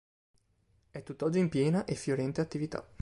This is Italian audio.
È tutt'oggi in piena e fiorente attività.